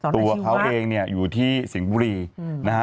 ตัวเขาเองเนี่ยอยู่ที่สิงห์บุรีนะฮะ